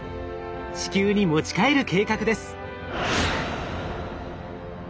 地球に持ち帰る計画です。